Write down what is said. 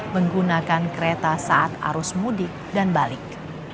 menggunakan kereta saat arus mudik dan balik